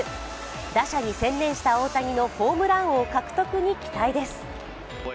打者に専念した大谷のホームラン王獲得に期待です。